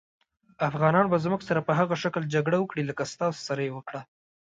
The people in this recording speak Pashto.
افغانان به زموږ سره په هغه شکل جګړه وکړي لکه ستاسې سره یې وکړه.